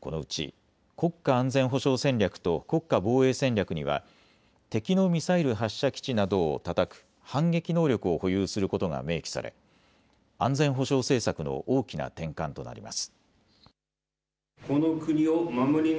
このうち国家安全保障戦略と国家防衛戦略には敵のミサイル発射基地などをたたく反撃能力を保有することが明記され安全保障政策の大きな転換となります。